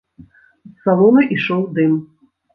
З салона ішоў дым.